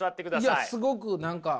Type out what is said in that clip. いやすごく何か。